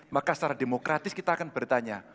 maka secara demokratis kita akan bertanya